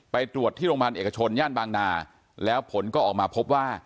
ไปตรวจที่โรงพยาบาลเอกชนย่านบางนาแล้วผลก็ออกมาพบว่า